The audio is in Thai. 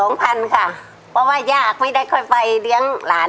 เพราะว่ายากไม่ได้ค่อยไปเลี้ยงหลาน